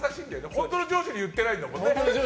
本当の上司には言ってないもんね。